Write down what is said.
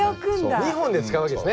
２本で使うわけですね？